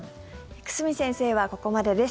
久住先生はここまでです。